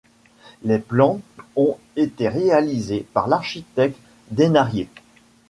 Les plans ont été réalisés par l'architecte Dénarié.